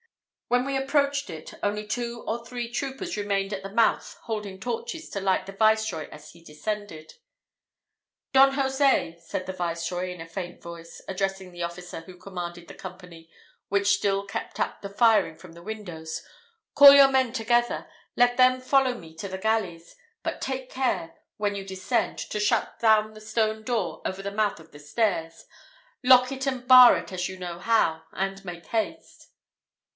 When we approached it, only two or three troopers remained at the mouth holding torches to light the viceroy as he descended. "Don Jose," said the viceroy, in a faint voice, addressing the officer who commanded the company which still kept up the firing from the windows, "call your men together let them follow me to the galleys but take care, when you descend, to shut down the stone door over the mouth of the stairs lock it and bar it as you know how; and make haste."